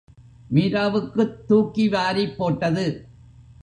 மீராவுக்குத் தூக்கிவாரிப் போட்டது.